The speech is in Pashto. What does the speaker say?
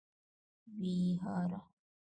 ويهاره